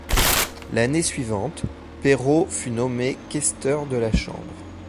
L'année suivante, Perrot fut nommé questeur de la Chambre.